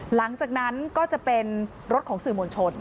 หลังจากนั้นก็จะเป็นรถของสื่อมวลชน